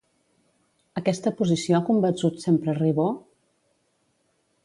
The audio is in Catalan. Aquesta posició ha convençut sempre Ribó?